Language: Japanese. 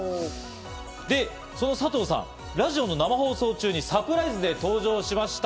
で、その佐藤さん、ラジオの生放送中にサプライズで登場しました。